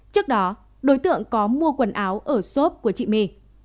trước đó đối tượng có mua quần áo ở xốp của chị my